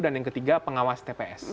dan yang ketiga pengawas tps